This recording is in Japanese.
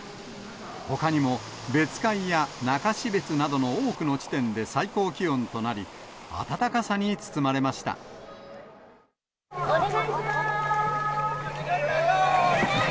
ほかにも別海や中標津などの多くの地点で最高気温となり、お願いします。